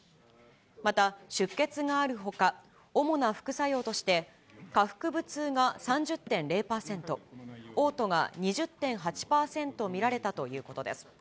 また出血があるほか、主な副作用として、下腹部痛が３０．０％、おう吐が２０．８％見られたということです。